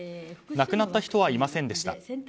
亡くなった人はいませんでした。